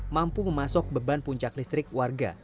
mampu memasok beban puncak listrik warga